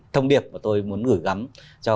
thông điệp mà tôi muốn gửi gắm cho